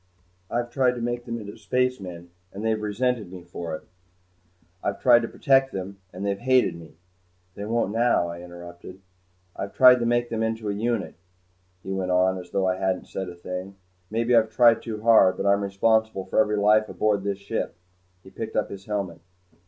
I've tried to make them into spacemen and they've resented me for it. I've tried to protect them and they've hated me " "They won't now " I interrupted. "I've tried to make them a unit." He went on as though I hadn't said a thing. "Maybe I've tried too hard, but I'm responsible for every life aboard this ship." He picked up his helmet.